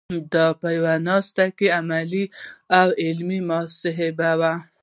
دا په یوه ناسته کې عملي او علمي مباحثه ده.